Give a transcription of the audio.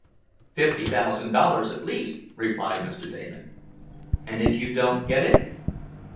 "Fifty thousand dollars at least," replied Mr. Damon. "And if you don't get it?"